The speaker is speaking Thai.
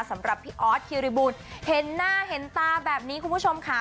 สำหรับพี่ออสคิริบูลเห็นหน้าเห็นตาแบบนี้คุณผู้ชมค่ะ